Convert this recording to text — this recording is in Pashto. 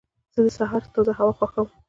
زه د سهار تازه هوا خوښوم.